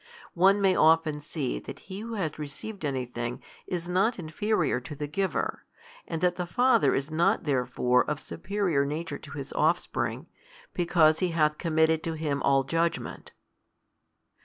One may often see that he who has received anything is not inferior to the giver, and that the Father is not therefore of Superior Nature to His offspring, because He hath committed to Him all judgment.